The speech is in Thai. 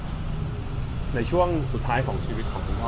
แล้วก็ก็ในช่วงสุดท้ายของชีวิตของคุณพ่อ